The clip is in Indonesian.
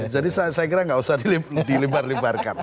jadi saya kira nggak usah dilebar lebarkan